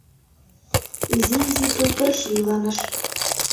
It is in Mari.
Изи-изи тул пырче иланыш –